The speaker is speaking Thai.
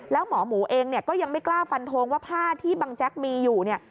แล้วหมอหมูเองเนี่ยก็ยังไม่กล้าฟันทงว่าผ้าที่บังแจ๊กมีอยู่เนี่ย